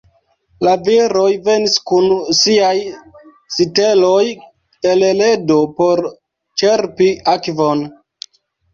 La viroj venis kun siaj siteloj el ledo por ĉerpi akvon.